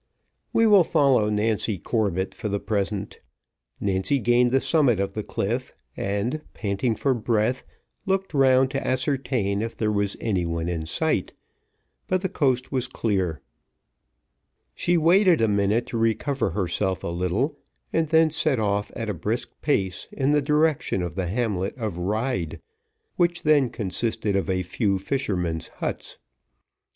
We will follow Nancy Corbett for the present. Nancy gained the summit of the cliff, and panting for breath, looked round to ascertain if there was any one in sight, but the coast was clear: she waited a minute to recover herself a little, and then set off at a brisk pace in the direction of the hamlet of Ryde, which then consisted of a few fishermen's huts.